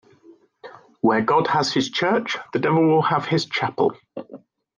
Where God has his church, the devil will have his chapel.